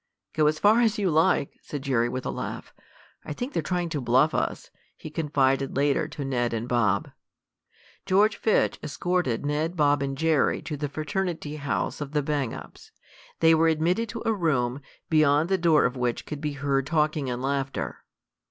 "Go as far as you like," said Jerry, with a laugh. "I think they're trying to bluff us," he confided later to Ned and Bob. George Fitch escorted Ned, Bob and Jerry to the fraternity house of the Bang Ups. They were admitted to a room, beyond the door of which could be heard talking and laughter.